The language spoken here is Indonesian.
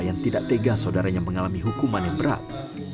yang tidak tega saudaranya mengalami hukuman yang berat